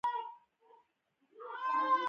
جاپان د یوازیني هېواد په توګه بریالی کړ.